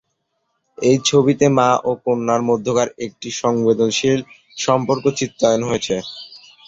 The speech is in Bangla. এ ছবিতে মা এবং কন্যার মধ্যকার একটি সংবেদনশীল সম্পর্ক চিত্রায়িত হয়েছে।